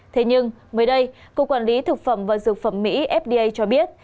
thế nhưng mới đây cục quản lý thực phẩm và dược phẩm mỹ fda cho biết